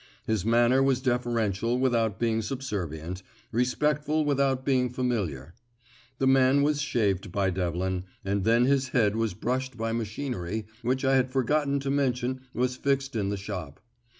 His manner was deferential without being subservient, respectful without being familiar. The man was shaved by Devlin, and then his head was brushed by machinery, which I had forgotten to mention was fixed in the shop.